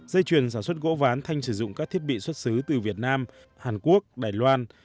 dây chuyền sản xuất gỗ ván thanh sử dụng các thiết bị xuất xứ từ việt nam hàn quốc đài loan